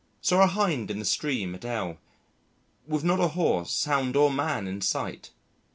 Saw a hind in the stream at L with not a horse, hound, or man in sight.